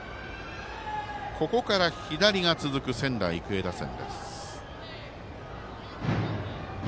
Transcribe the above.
ここから左が続く仙台育英打線です。